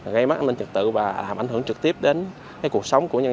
gây mất an ninh trực tự và làm ảnh hưởng trực tiếp đến cuộc sống của nhân dân